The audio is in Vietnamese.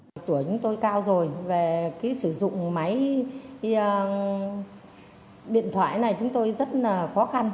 tuổi chúng tôi cao rồi về cái sử dụng máy điện thoại này chúng tôi rất là khó khăn